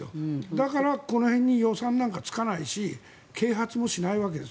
だから、この辺に予算なんかつかないし啓発もしないわけです。